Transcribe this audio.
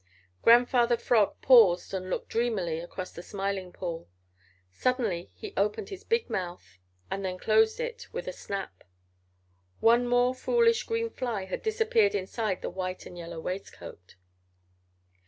Grandfather Frog paused and looked dreamily across the Smiling Pool. Suddenly he opened his big mouth and then closed it with a snap. One more foolish green fly had disappeared inside the white and yellow waistcoat.